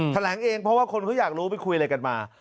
แถลงเองเพราะว่าคนเขาอยากรู้ไปคุยอะไรกันมา